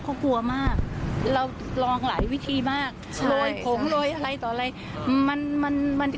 บอกว่าวันนี้เนอะมันมีการกำลังอยู่